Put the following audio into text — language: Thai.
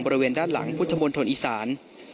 บริเวณด้านหลังพุทธมนตรอีสาน